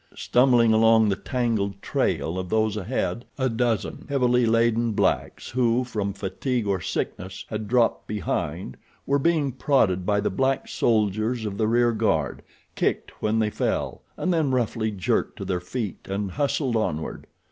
Stumbling along the tangled trail of those ahead a dozen heavily laden blacks who, from fatigue or sickness, had dropped behind were being prodded by the black soldiers of the rear guard, kicked when they fell, and then roughly jerked to their feet and hustled onward.